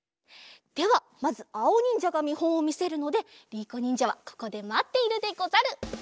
ではまずあおにんじゃがみほんをみせるのでりいこにんじゃはここでまっているでござる。